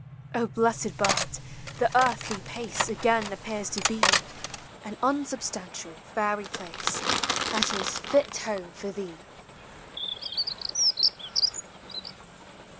O blessed bird! the earth \vc pace Again appears t<> be An unsubstantial, fairy place; That is fit home for thee!